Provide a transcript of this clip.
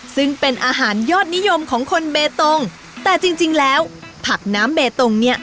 ซึ่งเป็นอาหารยอดนิยมของคนเบตงแต่จริงจริงแล้วผักน้ำเบตงเนี่ย